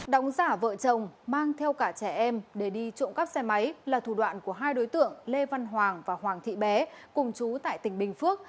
đóng giả vợ chồng mang theo cả trẻ em để đi trộm cắp xe máy là thủ đoạn của hai đối tượng lê văn hoàng và hoàng thị bé cùng chú tại tỉnh bình phước